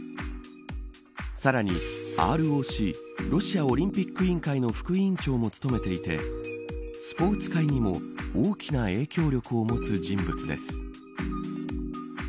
さらにＲＯＣロシアオリンピック委員会の副委員長も務めていてスポーツ界にも大きな影響力を持つ人物です。